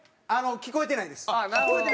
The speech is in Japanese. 聞こえてないです。